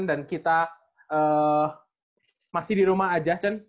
dan kita masih di rumah aja kan